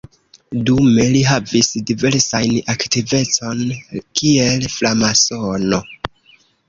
Dume li havis diversajn aktivecojn kiel framasono.